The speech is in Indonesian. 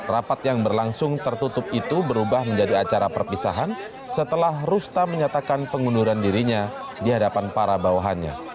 rapat yang berlangsung tertutup itu berubah menjadi acara perpisahan setelah rusta menyatakan pengunduran dirinya di hadapan para bawahannya